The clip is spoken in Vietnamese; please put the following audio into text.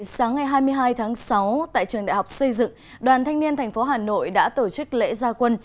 sáng ngày hai mươi hai tháng sáu tại trường đại học xây dựng đoàn thanh niên thành phố hà nội đã tổ chức lễ gia quân